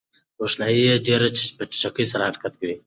روښنايي ډېر په چټکۍ سره حرکت کوي.